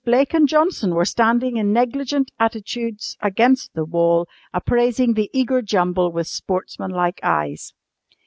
Blake and Johnson were standing in negligent attitudes against the wall appraising the eager Jumble with sportsmanlike eyes.